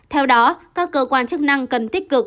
theo đó các cơ quan chức năng cần tích cực